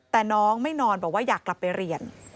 แต่น้องไม่นอนบอกว่าอยากกลับไปเรียน